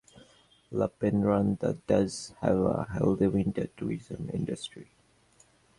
Lappeenranta does have a healthy winter tourism industry.